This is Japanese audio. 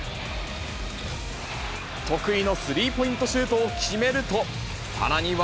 得意のスリーポイントシュートを決めると、さらには。